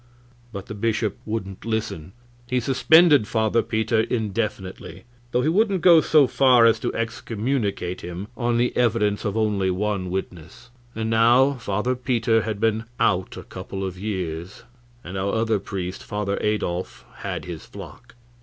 But the bishop wouldn't listen. He suspended Father Peter indefinitely, though he wouldn't go so far as to excommunicate him on the evidence of only one witness; and now Father Peter had been out a couple of years, and our other priest, Father Adolf, had his flock.